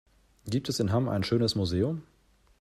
Gibt es in Hamm ein schönes Museum?